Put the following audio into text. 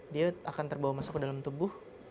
dia akan terbawa masuk ke dalam tubuh